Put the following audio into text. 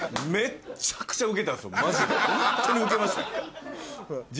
マジでホントにウケました。